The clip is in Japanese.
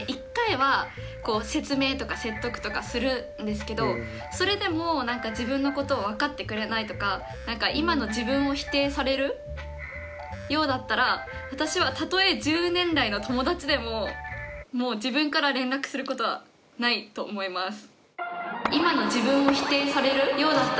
１０年来の友達だからそれでも自分のことを分かってくれないとか今の自分を否定されるようだったら私はたとえ１０年来の友達でももう自分から連絡することはないと思います。